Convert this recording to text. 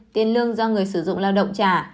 tiền lương do người sử dụng lao động trả